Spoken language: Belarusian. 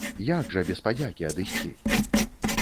Як жа без падзякі адысці?